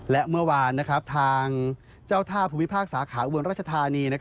และเมื่อวานทางเจ้าท่าภูมิภาคสาขาอุบลราชธานี